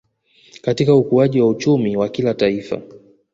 Katika ukuaji wa uchumi wa kila Taifa